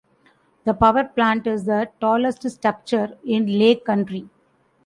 The power plant is the tallest structure in Lake County.